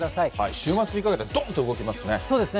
週末にかけてどんと動きますね。